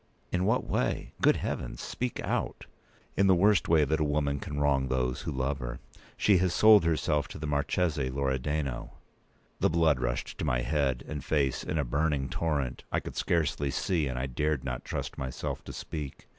"In what way? Good Heavens, speak out!" "In the worst way that a woman can wrong those who love her. She has sold herself to the Marchese Loredano." The blood rushed to my head and face in a burning torrent. I could scarcely see, and dared not trust myself to speak.